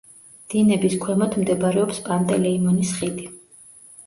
დინების ქვემოთ მდებარეობს პანტელეიმონის ხიდი.